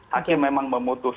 hakim memang memutus